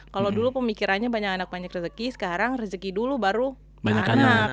kalau dulu pemikirannya banyak anak banyak rezeki sekarang rezeki dulu baru anak anak